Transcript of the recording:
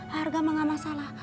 harga mah gak masalah